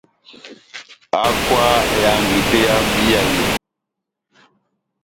Hákwaha ehangi tɛ́h yá mbíya yé !